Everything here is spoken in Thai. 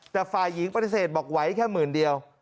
แต่ฝ่ายหญิงปฏิเสธบอกไหวแค่หมื่นเดียว